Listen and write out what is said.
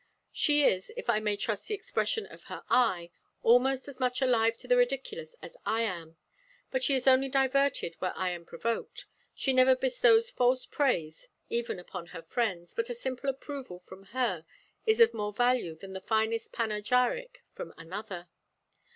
She is, if I may trust the expression of her eye, almost as much alive to the ridiculous as I am; but she is only diverted where I am provoked. She never bestows false praise even upon her friends; but a simple approval from her is of more value than the finest panegyric from another.